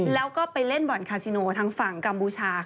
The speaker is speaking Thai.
แล้วก็ไปเล่นบ่อนคาซิโนทางฝั่งกัมพูชา